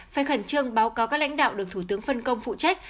phải khẩn trương báo cáo các lãnh đạo được thủ tướng phân công phụ trách